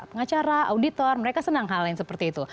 pengacara auditor mereka senang hal yang seperti itu